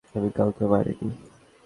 আমি কাউকে মারিনি।